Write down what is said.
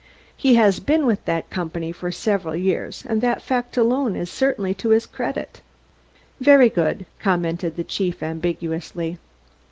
He has been with that company for several years, and that fact alone is certainly to his credit." "Very good," commented the chief ambiguously.